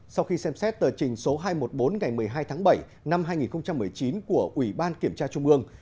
sau khi xem xét tờ trình số hai trăm một mươi bốn ngày một mươi hai tháng bảy năm hai nghìn một mươi chín của ủy ban kiểm tra trung ương